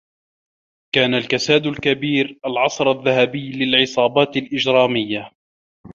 كان الكساد الكبير العصر الذّهبي للعصابات الإجراميّة.